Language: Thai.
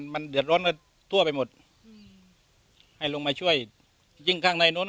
มันเดือดร้อนกันทั่วไปหมดอืมให้ลงมาช่วยยิ่งข้างในนู้น